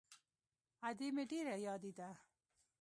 ادې مې ډېره يادېده.